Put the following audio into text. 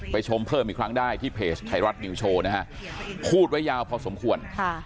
ชมเพิ่มอีกครั้งได้ที่เพจไทยรัฐนิวโชว์นะฮะพูดไว้ยาวพอสมควร